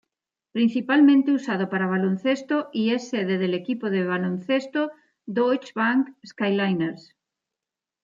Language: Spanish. Principalmente usado para baloncesto y es sede del equipo de baloncesto Deutsche Bank Skyliners.